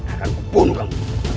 akan kupunuh kamu